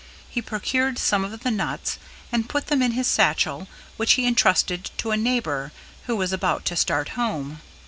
He procured some of the nuts and put them in his satchel which he entrusted to a neighbor who was about to start home.